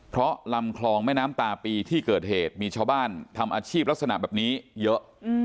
เพราะลำคลองแม่น้ำตาปีที่เกิดเหตุมีชาวบ้านทำอาชีพลักษณะแบบนี้เยอะ